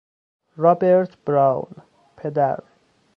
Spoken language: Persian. رابرت براون، پدر